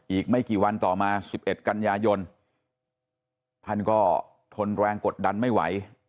อีกไม่กี่วันต่อมา๑๑กันยายนท่านก็ทนแรงกดดันไม่ไหว